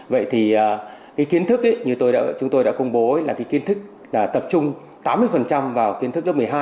vậy thì cái kiến thức như chúng tôi đã công bố là cái kiến thức tập trung tám mươi vào kiến thức lớp một mươi hai